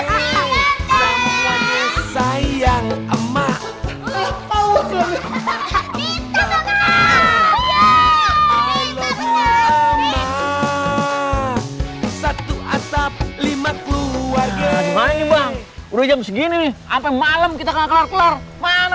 satu atap lima keluarga ini bang udah jam segini nih apa malam kita kelar kelar mana